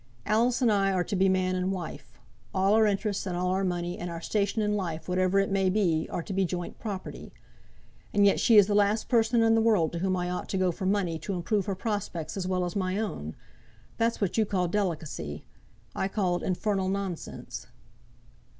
Alice and I are to be man and wife. All our interests, and all our money, and our station in life, whatever it may be, are to be joint property. And yet she is the last person in the world to whom I ought to go for money to improve her prospects as well as my own. That's what you call delicacy. I call it infernal nonsense."